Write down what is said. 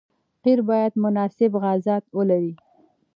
قیر باید مناسب غلظت ولري